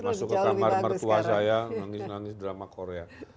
masuk ke kamar mertua saya nangis nangis drama korea